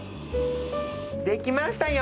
できましたよ！